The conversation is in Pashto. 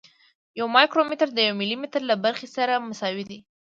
یو مایکرومتر د یو ملي متر له برخې سره مساوي دی.